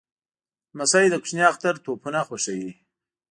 لمسی د کوچني اختر توپونه خوښوي.